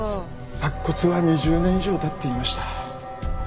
白骨は２０年以上経っていました。